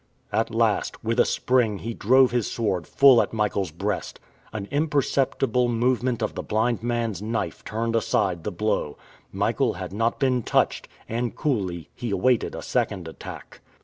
At last, with a spring he drove his sword full at Michael's breast. An imperceptible movement of the blind man's knife turned aside the blow. Michael had not been touched, and coolly he awaited a second attack.